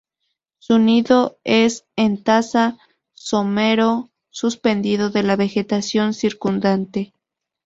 Su nido es en taza, somero, suspendido de la vegetación circundante.